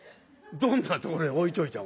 どんなところへ置いといても。